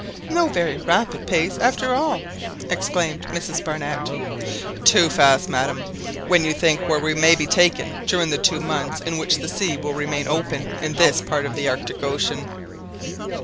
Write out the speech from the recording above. "No very rapid pace after all!" exclaimed Mrs Barnett. "Too fast, madam, when you think where we may be taken during the two months in which the sea will remain open in this part of the Arctic Ocean."